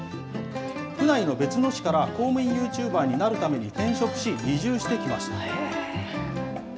府内の別の市から、公務員ユーチューバーになるために転職し、移住してきました。